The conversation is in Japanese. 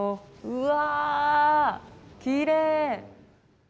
うわきれい。